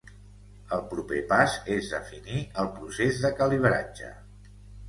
El proper pas és definir el procés de calibratge.